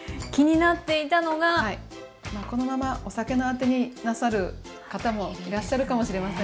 まあこのままお酒のアテになさる方もいらっしゃるかもしれませんね。